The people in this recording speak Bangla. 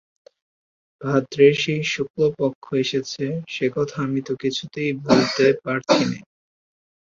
ভাদ্রের সেই শুক্লপক্ষ এসেছে, সে কথা আমি তো কিছুতেই ভুলতে পারছি নে।